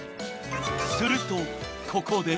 ［するとここで］